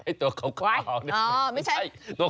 ไอ้ตัวข้าง